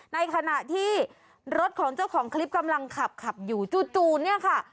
ในขณะที่รถของเจ้าของคลิปกำลังขับขับอยู่จู่เนี่ยค่ะ